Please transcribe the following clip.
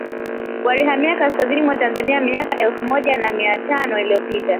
walihamia Kaskazini mwa Tanzania miaka elfu moja na mia tano iliyopita